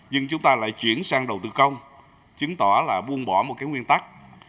nhưng chúng ta lại chuyển sang đầu tư công chứng tỏ là buông bỏ một cái nguyên tắc